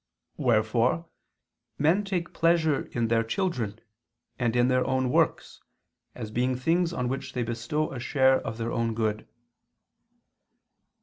Wherefore men take pleasure in their children, and in their own works, as being things on which they bestow a share of their own good.